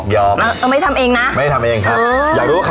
ยอมไม่ทำเองนะ